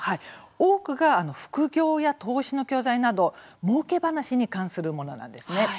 多くが副業や投資の教材などもうけ話に関するものなんです。